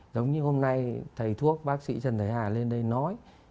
giống như hôm nay thầy thuốc bác sĩ trần thế hà lên đây nói